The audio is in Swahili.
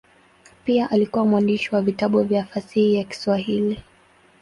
Pia alikuwa mwandishi wa vitabu vya fasihi ya Kiswahili.